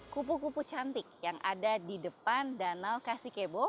pupu pupu cantik yang ada di depan danau kasikebo